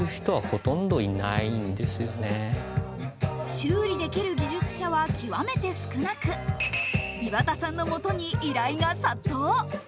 修理できる技術者は極めて少なく、岩田さんのもとに、依頼が殺到。